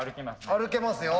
歩けますよ。